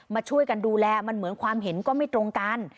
มาช่วยกันดูแลมันเหมือนความเห็นก็ไม่ตรงกัน